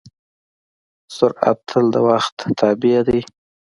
سرعت تل د وخت تابع دی.